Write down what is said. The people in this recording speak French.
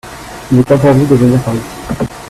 il est interdit de venir par ici.